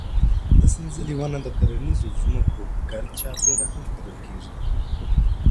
د سنځلې ونه د کرنیزو ځمکو ګرد چاپېره هم کرل کېږي.